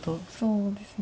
そうですね。